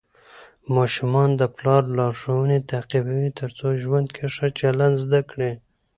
ماشومان د پلار لارښوونې تعقیبوي ترڅو ژوند کې ښه چلند زده کړي.